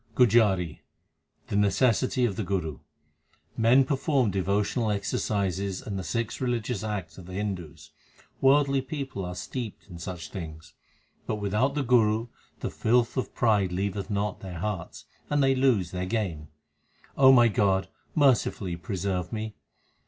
GUJARI The necessity of the Guru : Men perform devotional exercises l and the six religious acts of the Hindus ; worldly people are steeped in such things ; But without the Guru the filth of pride leaveth not their hearts, and they lose their game. my God, mercifully preserve me.